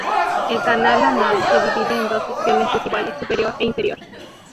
El canal anal se divide en dos secciones desiguales, superior e inferior.